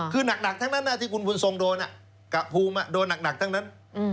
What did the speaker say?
คือหนักทั้งนั้นที่คุณบุญทรงโดนกับภูมิโดนหนักทั้งนั้น